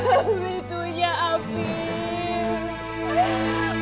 ambil tuh ya ambil